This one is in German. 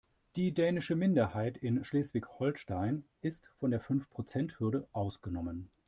Die dänische Minderheit in Schleswig-Holstein ist von der Fünfprozenthürde ausgenommen.